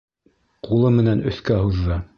Ҡулы менән өҫкә һуҙҙы.